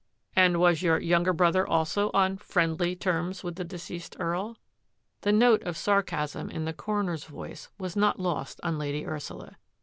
" And was your younger brother also on friendly terms with the deceased Earl? " The note of sarcasm in the coroner's voice was not lost on Lady Ursula.